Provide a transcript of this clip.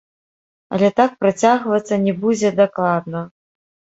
Але так працягвацца не бузе дакладна.